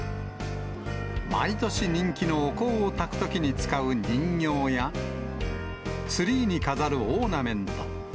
毎年人気のお香をたくときに使う人形や、ツリーに飾るオーナメント。